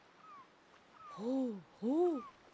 ほうほう。